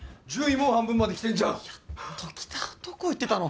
もう半分まできてんじゃんやっと来たどこ行ってたの？